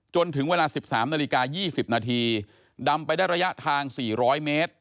จนถึงเวลา๑๓นาฬิกา๒๐นาทีดำไปได้ระยะทาง๔๐๐เมตร